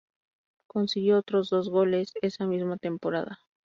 Consiguió otros dos goles esa misma temporada.